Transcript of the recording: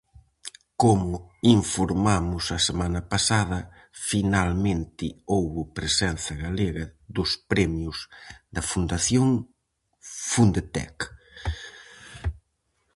Como informamos a semana pasada, finalmente houbo presenza galega dos Premios da Fundación Fundetec.